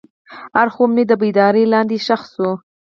هر خوب مې د بیدارۍ لاندې ښخ شو.